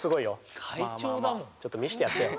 ちょっと見してやってよ！